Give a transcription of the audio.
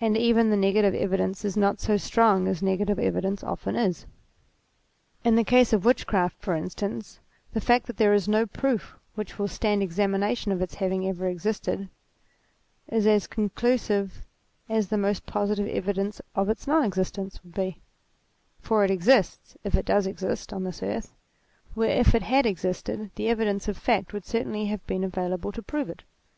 And even the negative evidence is not so strong as negative evidence often is. In the case of witchcraft, for instance, the fact that there is no proof which will stand examination of its having ever existed, is as conclusive as the most positive evidence of its non existence would be ; for it exists, if it does exist, on this earth, where if it had existed the evidence of fact would certainly have been available to prove it.